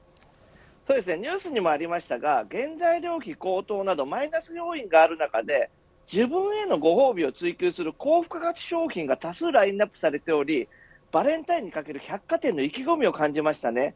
ニュースにもありましたが原材料費高騰などマイナス要因がある中で自分へのご褒美を追及する高付加価値商品が、多数ラインアップされておりバレンタインにかける百貨店の意気込みを感じました。